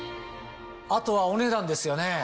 あとはお値段ですよね。